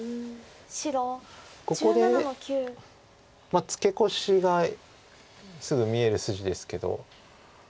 ここでツケコシがすぐ見える筋ですけど。